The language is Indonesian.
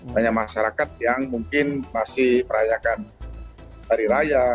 banyak masyarakat yang mungkin masih merayakan hari raya